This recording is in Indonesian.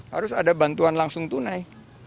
harus ada bantuan langsung tunai